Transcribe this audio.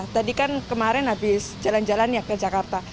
tadi kan kemarin habis jalan jalan ya ke jakarta